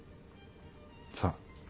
さあ。